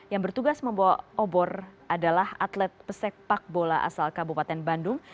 yang bertugas membawa obor adalah atlet pesek pak bola asal kabupaten bandung